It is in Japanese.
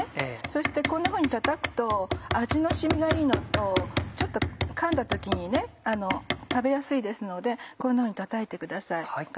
そしてこんなふうにたたくと味の染みがいいのとかんだ時に食べやすいですのでこんなふうにたたいてください。